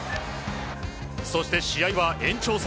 そして試合は延長戦。